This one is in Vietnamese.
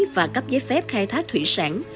và cấp giấy phép khai thác thủy sản